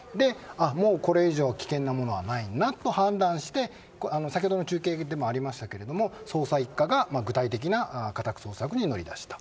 もうこれ以上危険なものはないなと判断して先ほど中継でもありましたが捜査一課が具体的な家宅捜索に乗り出した。